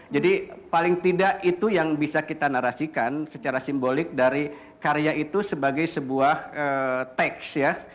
jadi paling tidak itu yang bisa kita narasikan secara simbolik dari karya itu sebagai sebuah teks ya